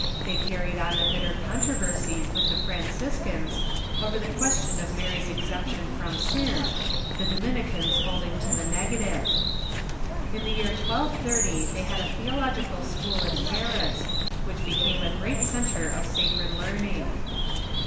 They carried on a bitter controversy with the Franciscans over the ques tion of Mary's exemption from sin, the Dominicans holding to the negative. In the year 1230 tliey had a theological school in Paris, which became a great centre of sacred learning.